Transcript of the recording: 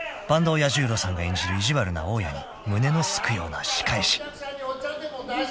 彌十郎さんが演じる意地悪な大家に胸のすくような仕返し］